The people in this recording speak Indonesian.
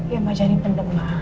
ya ma jangan pendebak